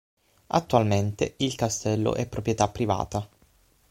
Attualmente il castello è proprietà privata.